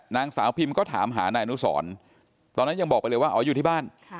นางสาวพิมก็ถามหานายอนุสรตอนนั้นยังบอกไปเลยว่าอ๋ออยู่ที่บ้าน